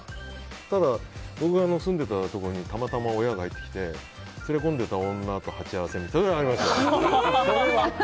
ただ、僕が住んでいたところにたまたま親が入ってきて連れ込んでいた女と鉢合わせみたいなのはありました。